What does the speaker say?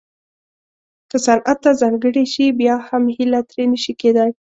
که صنعت ته ځانګړې شي بیا هم هیله ترې نه شي کېدای